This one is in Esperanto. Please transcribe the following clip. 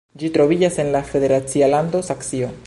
Ĝi troviĝas en la la federacia lando Saksio.